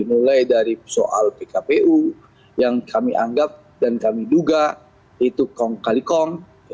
mulai dari soal pkpu yang kami anggap dan kami duga itu kong kali kong